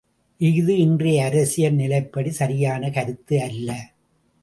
இஃது இன்றைய அரசியல் நிலைப்படி சரியான கருத்து அல்ல.